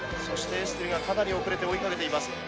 そして、エスティルがかなり遅れて追いかけています。